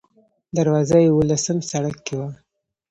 دروازه یې اوولسم سړک کې وه.